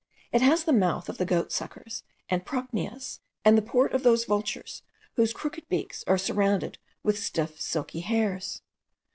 It has the mouth of the goat suckers and procnias, and the port of those vultures whose crooked beaks are surrounded with stiff silky hairs.